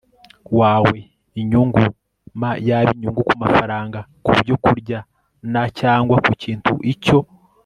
wawe inyungu m yaba inyungu ku mafaranga ku byokurya n cyangwa ku kintu icyo